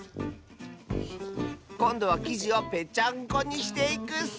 こんどはきじをぺちゃんこにしていくッス！